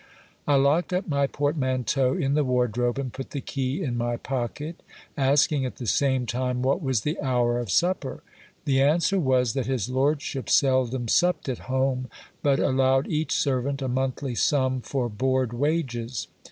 I locked up my portmanteau in the wardrobe and put the key in my pocket asking at the same time what was the hour of supper. The answer was, that his lordship seldom supped at home, but allow ed each servant a monthly sum for board wages.